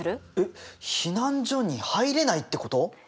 避難所に入れないってこと？